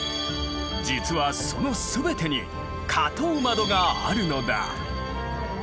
実はその全てに花頭窓があるのだ。